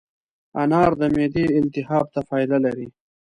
انار د معدې التهاب ته فایده لري.